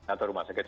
atau rumah sakit